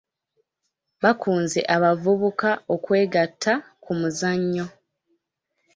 Bakunze abavubuka okwegatta ku muzannyo.